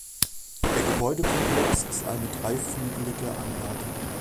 Der Gebäudekomplex ist eine dreiflügelige Anlage.